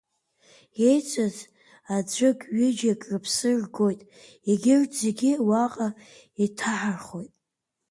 Еицыз аӡәык-ҩыџьак рыԥсы ргоит, егьырҭ зегьы уаҟа иҭаҳархоит.